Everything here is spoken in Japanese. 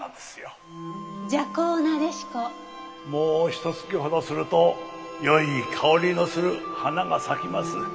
もうひと月ほどするとよい香りのする花が咲きます。